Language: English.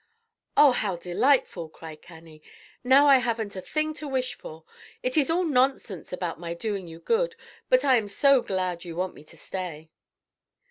"Oh, how delightful!" cried Cannie. "Now I haven't a thing to wish for. It is all nonsense about my doing you good, but I am so glad you want me to stay."